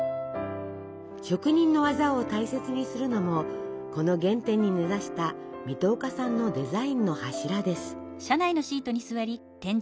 職人の技を大切にするのもこの原点に根ざした水戸岡さんのデザインの柱です。